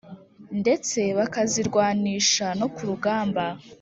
ndetse bakazirwanisha no ku rugamba.